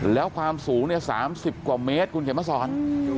แล้วความสูง๓๐กว่าเมตรคุณเขมภาษร